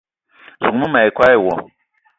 Zouk mou ma yi koo e wo